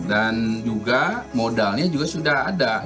dan juga modalnya sudah ada